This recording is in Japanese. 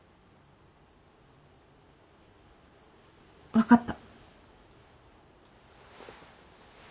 分かった。